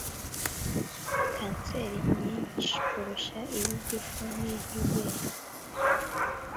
Kanseri nyinshi kurusha iy’igifu ni iy’ibere